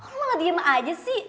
lo malah diem aja sih